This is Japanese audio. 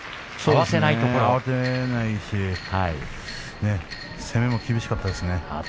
慌てないし攻めも厳しかったですね。